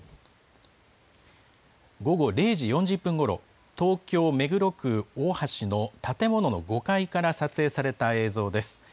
午後０時４０分ごろ、東京・目黒区大橋の建物の５階から撮影された映像です。